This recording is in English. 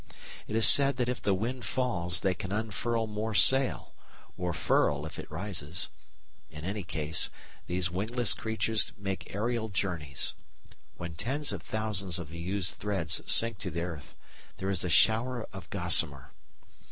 It is said that if the wind falls they can unfurl more sail, or furl if it rises. In any case, these wingless creatures make aerial journeys. When tens of thousands of the used threads sink to earth, there is a "shower of gossamer."